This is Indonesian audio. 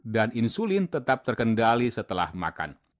dan insulin tetap terkendali setelah makan